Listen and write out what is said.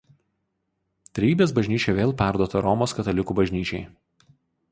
Trejybės bažnyčia vėl perduota Romos katalikų bažnyčiai.